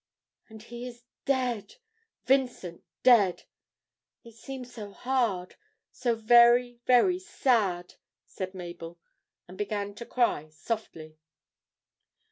'And he is dead! Vincent dead! It seems so hard, so very, very sad,' said Mabel, and began to cry softly.